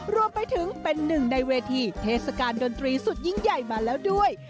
รวมไปถึงเป็นหนึ่งในเวทีเทศกาลดนตรีสุดยิ่งใหญ่มาแล้วด้วย